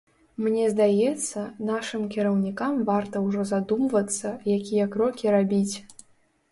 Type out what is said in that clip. Мне здаецца, нашым кіраўнікам варта ўжо задумвацца, якія крокі рабіць.